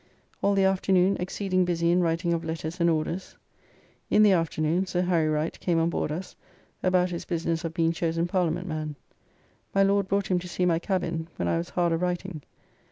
All the afternoon exceeding busy in writing of letters and orders. In the afternoon, Sir Harry Wright came onboard us, about his business of being chosen Parliament man. My Lord brought him to see my cabin, when I was hard a writing.